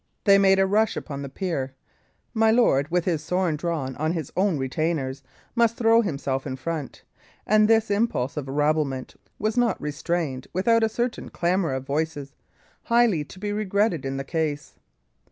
They made a rush upon the pier; my lord, with his sword drawn on his own retainers, must throw himself in front; and this impulse of rabblement was not restrained without a certain clamour of voices, highly to be regretted in the case.